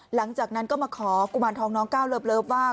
หลังจากนั้นก็มาขอกุมารทองน้องก้าวเลิฟว่า